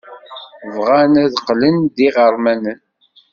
Bɣan ad qqlen d iɣermanen.